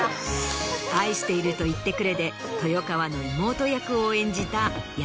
『愛していると言ってくれ』で豊川の妹役を演じた。